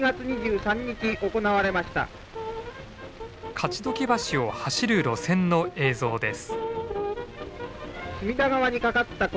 勝鬨橋を走る路線の映像です。